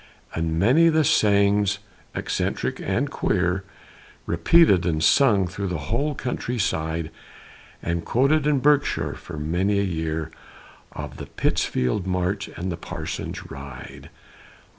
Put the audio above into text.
And many the sayings, eccentric and queer, Repeated and sung through the whole country side, And quoted in Berkshire for many a year, Of the Pittsfield march and the Parson's ride.